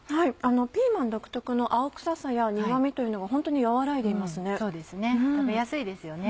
ピーマン独特の青臭さや苦味というのがホントに和らいでいますね。